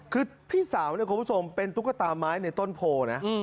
คือพี่สาวเนี่ยคุณผู้ชมเป็นตุ๊กตาไม้ในต้นโพลนะ